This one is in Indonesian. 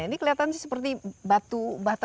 ini kelihatan sih seperti batu bata